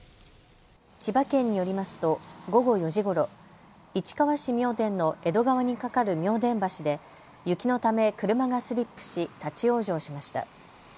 千葉県によりますと午後４時ごろ、市川市妙典の江戸川に架かる妙典橋で雪のため車がスリップし立往生しました。